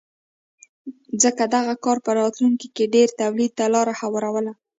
ځکه دغه کار په راتلونکې کې ډېر تولید ته لار هواروله